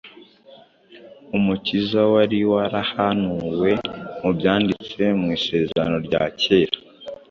Umukiza wari warahanuwe mu byanditswe mu Isezerano rya Kera